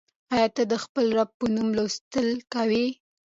آیا ته د خپل رب په نوم لوستل کوې؟